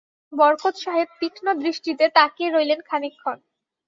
বরকত সাহেব তীক্ষ্ণ দৃষ্টিতে তাকিয়ে রইলেন খানিকক্ষণ।